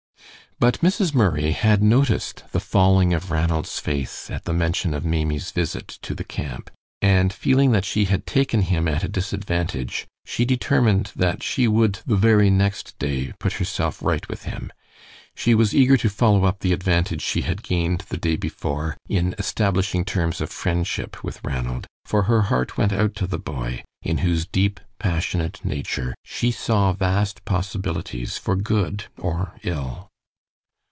But Mrs. Murray had noticed the falling of Ranald's face at the mention of Maimie's visit to the camp, and feeling that she had taken him at a disadvantage, she determined that she would the very next day put herself right with him. She was eager to follow up the advantage she had gained the day before in establishing terms of friendship with Ranald, for her heart went out to the boy, in whose deep, passionate nature she saw vast possibilities for good or ill.